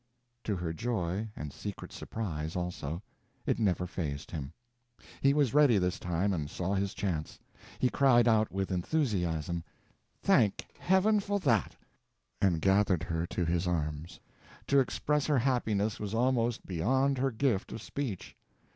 To her joy—and secret surprise, also—it never phased him. He was ready, this time, and saw his chance. He cried out with enthusiasm, "Thank heaven for that!" and gathered her to his arms. To express her happiness was almost beyond her gift of speech.